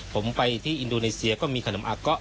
ผมไปที่อินโดนีเซียก็มีขนมอาเกาะ